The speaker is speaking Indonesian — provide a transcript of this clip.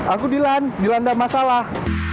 aku dilan dilan dah masalah